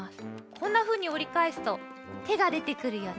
こんなふうにおりかえすとてがでてくるよね。